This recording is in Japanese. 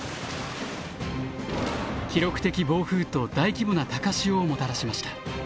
記録的暴風と大規模な高潮をもたらしました。